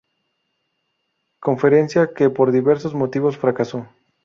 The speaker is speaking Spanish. Conferencia que por diversos motivos fracasó.